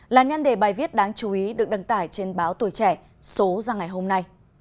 là nhân đề bài viết đáng chú ý được đăng tải trên báo tuổi trẻ số ra ngày hôm nay